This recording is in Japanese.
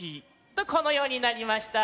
とこのようになりました。